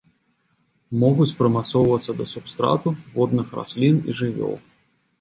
Могуць прымацоўвацца да субстрату, водных раслін і жывёл.